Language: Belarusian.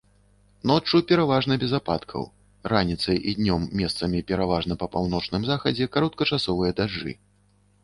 Ноччу пераважна без ападкаў, раніцай і днём месцамі, пераважна па паўночным захадзе кароткачасовыя дажджы.